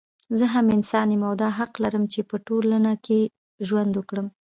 زه هم انسان يم او دا حق لرم چې په ټولنه کې ژوند وکړم